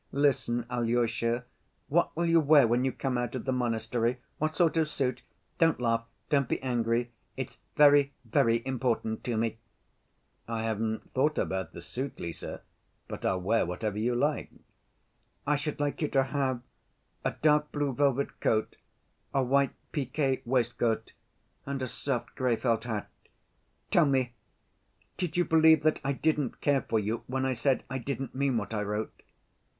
"Listen, Alyosha. What will you wear when you come out of the monastery? What sort of suit? Don't laugh, don't be angry, it's very, very important to me." "I haven't thought about the suit, Lise; but I'll wear whatever you like." "I should like you to have a dark blue velvet coat, a white piqué waistcoat, and a soft gray felt hat.... Tell me, did you believe that I didn't care for you when I said I didn't mean what I wrote?"